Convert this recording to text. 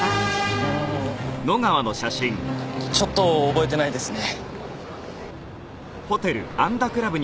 うーんちょっと覚えてないですね。